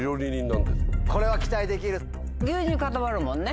牛乳固まるもんね。